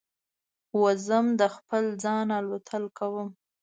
وزم د خپل ځانه الوتل کوم